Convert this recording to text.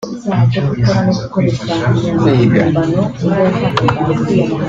Kwiga